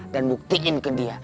dan buktiin ke dia